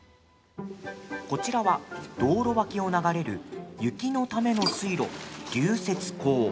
こちらは道路脇を流れる雪のための水路、流雪溝。